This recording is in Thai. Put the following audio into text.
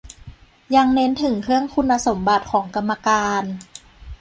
ยังเน้นถึงเรื่องคุณสมบัติของกรรมการ